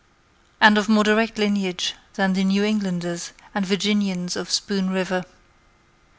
And of more direct lineage than the New Englanders And Virginians of Spoon River?